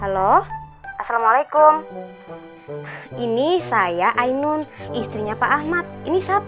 ah lu pak ainun anak anak